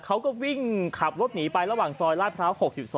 เขาก็วิ่งขับรถหนีไประหว่างซอยลาดพร้าว๖๒